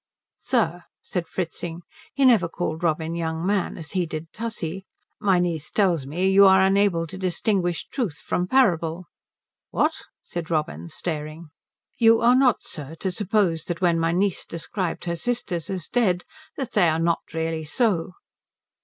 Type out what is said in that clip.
"Sir," said Fritzing he never called Robin young man, as he did Tussie "my niece tells me you are unable to distinguish truth from parable." "What?" said Robin staring. "You are not, sir, to suppose that when my niece described her sisters as dead that they are not really so."